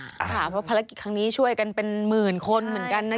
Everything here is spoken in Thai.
เพราะภารกิจครั้งนี้ช่วยกันเป็นหมื่นคนเหมือนกันนะ